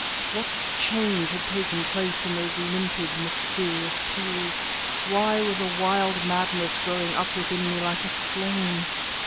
What change had taken place in those limpid, mysterious pools? Why was a wild madness growing up within me like a flame?